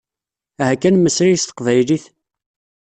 Aha kan mmeslay s teqbaylit!